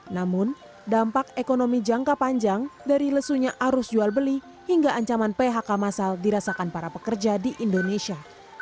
namun dampak ekonomi jangka panjang dari lesunya arus jual beli hingga ancaman phk masal dirasakan para pekerja di indonesia